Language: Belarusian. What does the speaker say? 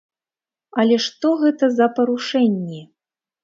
Але што гэта за парушэнні?